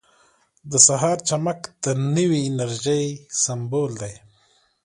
• د سهار چمک د نوې انرژۍ سمبول دی.